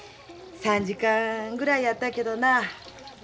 ３時間ぐらいやったけどな。